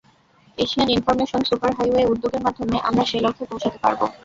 Asian information super highway উদ্যোগের মাধ্যমে আমরা সে লক্ষ্যে পৌঁছাতে পারব।